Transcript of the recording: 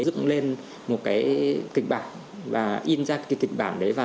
dựng lên một kịch bản và in ra kịch bản đấy